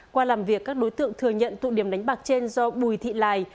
qua làm việc các đối tượng thừa nhận tụ điểm đánh bạc trên do bùi thị lài